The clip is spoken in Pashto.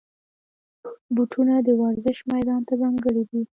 بوټونه د ورزش میدان ته ځانګړي وي.